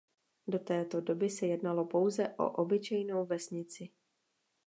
Do té doby se jednalo pouze o obyčejnou vesnici.